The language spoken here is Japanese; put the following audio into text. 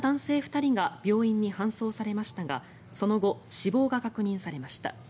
２人が病院に搬送されましたがその後、死亡が確認されました。